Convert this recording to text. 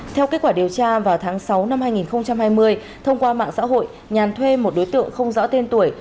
theo kết quả điều tra vào tháng sáu năm hai nghìn hai mươi thông qua mạng xã hội nhàn thuê một đối tượng không rõ tên tuổi